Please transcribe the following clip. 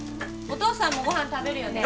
お父さんもご飯食べるよね